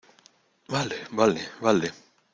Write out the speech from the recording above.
vale, vale , vale.